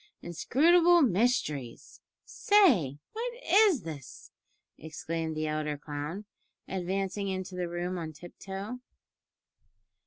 "Inscrutable mysteries! say, what is this?" exclaimed the elder clown, advancing into the room on tiptoe.